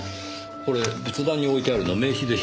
これ仏壇に置いてあるの名刺でしょうかね？